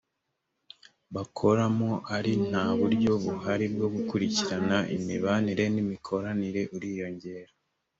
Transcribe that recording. bakoramo ari nta buryo buhari bwo gukurikirana imibanire n imikoranire uriyongera